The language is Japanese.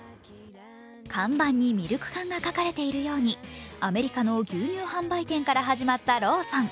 看板にミルク缶が描かれているようにアメリカの牛乳販売店から始まったローソン。